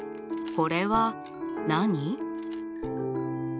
これは何？